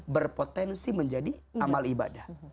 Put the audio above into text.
berpotensi menjadi amal ibadah